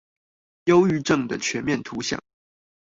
憂鬱症的全面圖像